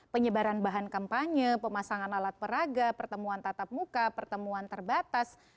penyebaran bahan kampanye pemasangan alat peraga pertemuan tatap muka pertemuan terbatas